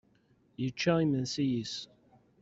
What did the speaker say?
Yečča imensi-is.